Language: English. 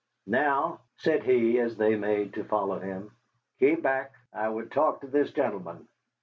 "Now," said he, as they made to follow him, "keep back. I would talk to this gentleman.